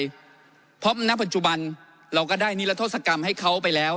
เพราะโทษใจหน้าปัจจุบันเราก็ได้นิรตสกรรมให้เขาไปแล้ว